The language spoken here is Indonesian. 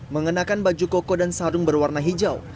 mengenakan baju koko dan sarung berwarna hijau